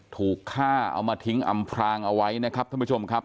ถูกฆ่าเอามาทิ้งอำพรางเอาไว้นะครับท่านผู้ชมครับ